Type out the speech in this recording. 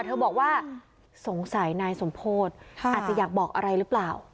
เธอบอกว่าสงสัยนายสมโพธิ์อาจจะอยากบอกอะไรหรือเปล่า